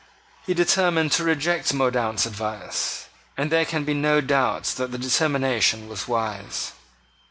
He determined to reject Mordaunt's advice; and there can be no doubt that the determination was wise.